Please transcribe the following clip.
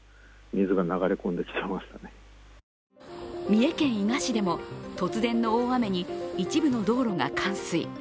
三重県伊賀市でも突然の大雨に一部の道路が冠水。